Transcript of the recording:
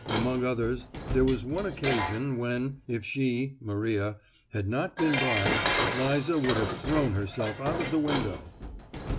Among others, there was one occasion, when, if she (Maria) had not been by, Liza would have thrown herself out of the window.